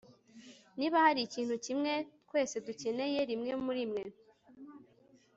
niba hari ikintu kimwe twese dukeneye rimwe murimwe